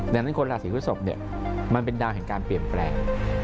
ดังนั้นคนราศีพฤศพมันเป็นดาวแห่งการเปลี่ยนแปลง